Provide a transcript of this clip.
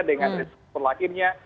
dengan resiko lahirnya